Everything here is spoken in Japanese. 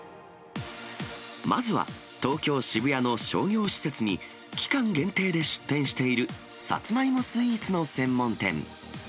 まずは東京・渋谷の商業施設に、期間限定で出店しているサツマイモスイーツの専門店。